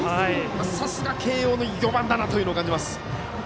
さすが慶応の４番だなと感じます。